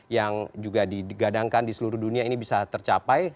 yang juga digadangkan di seluruh dunia ini bisa tercapai